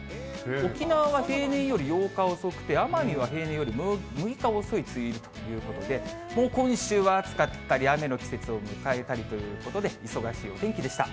沖縄は平年より８日遅くて、奄美は平年より６日遅い梅雨入りということで、もう今週は暑かったり、雨の季節を迎えたりということで、忙しいお天気でした。